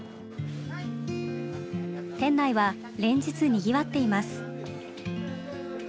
店内は連日にぎわっています。